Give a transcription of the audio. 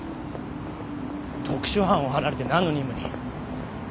特殊班を離れて何の任務に？